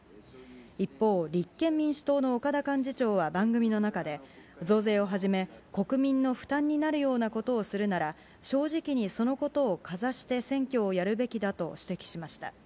一方、立憲民主党の岡田幹事長は番組の中で、増税をはじめ、国民の負担になるようなことをするなら、正直にそのことをかざして選挙をやるべきだと指摘しました。